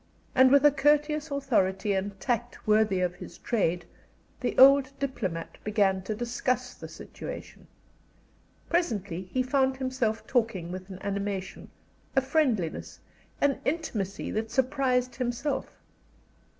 And with a courteous authority and tact worthy of his trade, the old diplomat began to discuss the situation. Presently he found himself talking with an animation, a friendliness, an intimacy that surprised himself.